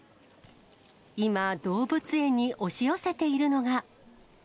今、動物園に押し寄せているのが。